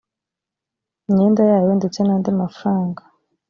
imyenda yayo ndetse n andi mafaranga